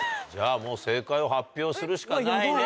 もう正解を発表するしかないね。